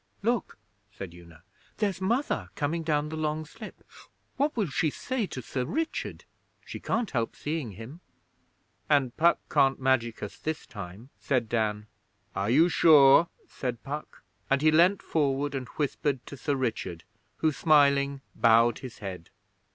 'Look!' said Una. 'There's Mother coming down the Long Slip. What will she say to Sir Richard? She can't help seeing him.' 'And Puck can't magic us this time,' said Dan. 'Are you sure?' said Puck; and he leaned forward and whispered to Sir Richard, who, smiling, bowed his head.